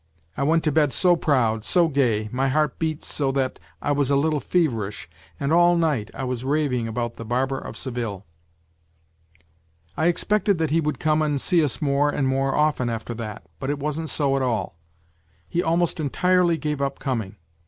I went to bed so proud, so gay, my heart beat so that I was a little feverish, and all night I was raving about The Barber of Seville. " I expected that he would come and see us more and more often after that, but it wasn't so at all., He almost entirely gave up coming.